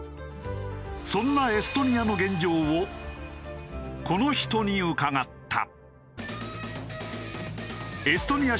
そんなエストニアの現状をこの人に伺った。